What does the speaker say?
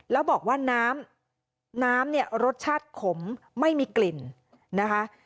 แล้วบอกว่าน้ำน้ำเนี่ยรสชาติขมไม่มีกลิ่นนะคะ